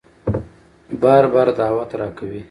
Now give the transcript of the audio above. بار بار دعوت راکوي